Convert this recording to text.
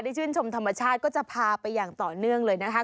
ชื่นชมธรรมชาติก็จะพาไปอย่างต่อเนื่องเลยนะคะ